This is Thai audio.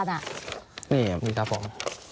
นี่ครับผม